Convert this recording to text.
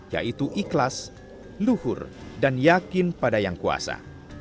yaitu ikhlas luhur dan yakin pada yang kuasa